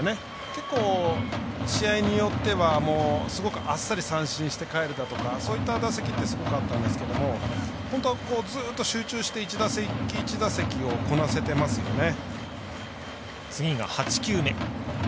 結構、試合によってはすごくあっさり三振して帰るだとかそういう打席もあったんですけど本当、ずっと集中して一打席一打席をこなせてますよね。